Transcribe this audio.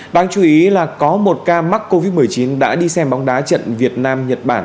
đáng chú ý là có một ca mắc covid một mươi chín đã đi xem bóng đá trận việt nam nhật bản